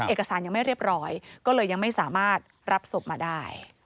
เอกสารยังไม่เรียบร้อยก็เลยยังไม่สามารถรับศพมาได้